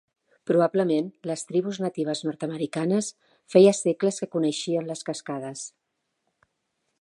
Probablement les tribus natives nord-americanes feia segles que coneixien les cascades.